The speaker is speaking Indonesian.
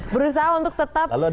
berusaha untuk tetap kontrol